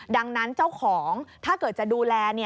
ดังนั้นเจ้าของถ้าเกิดจะดูแล